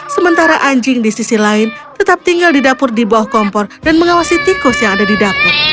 sementara anjing di sisi lain tetap tinggal di dapur di bawah kompor dan mengawasi tikus yang ada di dapur